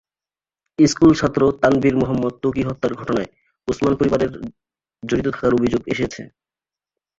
স্কুলছাত্র তানভীর মুহাম্মদ ত্বকী হত্যার ঘটনায় ওসমান পরিবারের জড়িত থাকার অভিযোগ এসেছে।